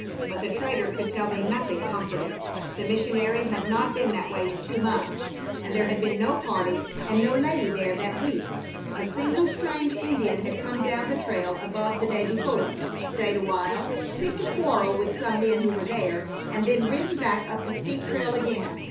But the trader could tell them nothing comforting. The missionary had not been that way in two months, and there had been no party and no lady there that week. A single strange Indian had come down the trail above the day before, stayed awhile, picked a quarrel with some men who were there, and then ridden back up the steep trail again.